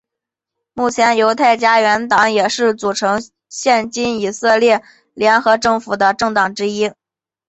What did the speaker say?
目前犹太家园党也是组成现今以色列联合政府的政党之一。